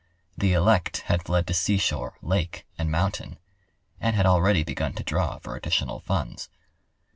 The elect had fled to seashore, lake, and mountain, and had already begun to draw for additional funds.